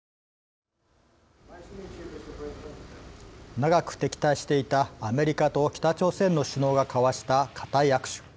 長く敵対していたアメリカと北朝鮮の首脳が交わした固い握手。